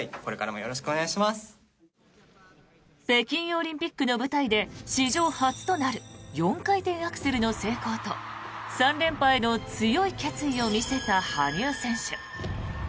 北京オリンピックの舞台で史上初となる４回転アクセルの成功と３連覇への強い決意を見せた羽生選手。